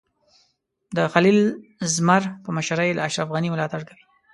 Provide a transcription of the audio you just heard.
د خلیل زمر په مشرۍ له اشرف غني ملاتړ کوي.